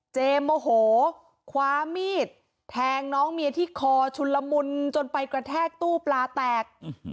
โมโหคว้ามีดแทงน้องเมียที่คอชุนละมุนจนไปกระแทกตู้ปลาแตก